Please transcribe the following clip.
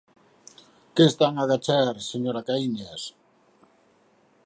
¿Que están a agachar, señora Caíñas?